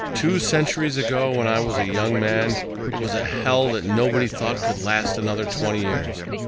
"Two centuries ago, when I was a young man, it was a hell that nobody thought could last another twenty years.